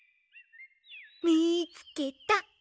みつけた！